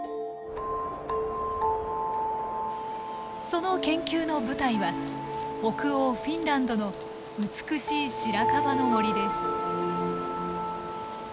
その研究の舞台は北欧フィンランドの美しいシラカバの森です。